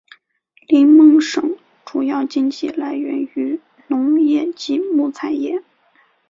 林梦省主要经济来源于农业及木材业。